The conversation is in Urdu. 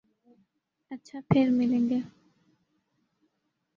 اچھا ، پرملیں گے